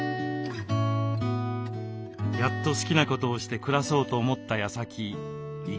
やっと好きなことをして暮らそうと思ったやさき胃がんに。